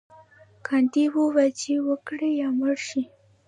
ګاندي وویل چې وکړئ یا مړه شئ.